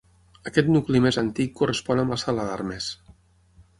Aquest nucli més antic correspon amb la sala d'armes.